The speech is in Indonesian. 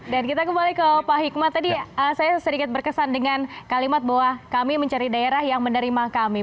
dan kita kembali ke pak hikmat tadi saya sedikit berkesan dengan kalimat bahwa kami mencari daerah yang menerima kami